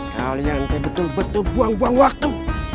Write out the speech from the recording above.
kau yang nanti betul betul buang buang waktu